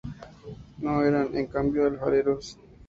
No eran, en cambio, alfareros.